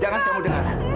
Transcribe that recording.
jangan kamu dengar